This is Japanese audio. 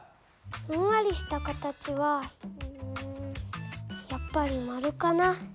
ふんわりした形はうんやっぱり丸かな。